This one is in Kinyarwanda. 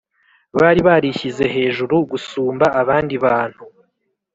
Bari barishyize hejuru gusumba abandi bantu